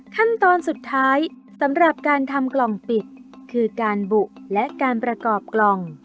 ขั้นตอนสุดท้ายสำหรับการทำกล่องปิดคือการบุและการประกอบกล่อง